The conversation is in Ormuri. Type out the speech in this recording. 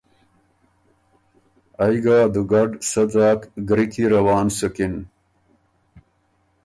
ائ ګه ا دُوګډ سۀ ځاک ګری کی روان سُکِن۔